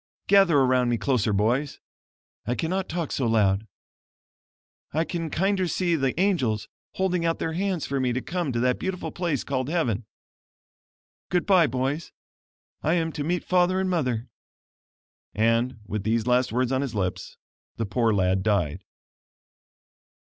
Gather around me closer boys. I cannot talk so loud. I can kinder see the angels holding out their hands for me to come to that beautiful place called heaven. Goodbye, boys. I am to meet father and mother." And, with these last words on his lips, the poor lad died.